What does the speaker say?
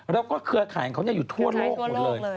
แล้วก็เครือข่ายของเขาอยู่ทั่วโลกหมดเลย